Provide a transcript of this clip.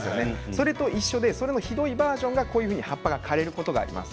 それと一緒でひどいバージョンが葉っぱが枯れることがあります。